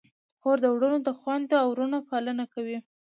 خور د وړو خویندو او وروڼو پالنه کوي.